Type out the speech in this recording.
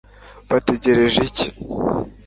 bategereje iki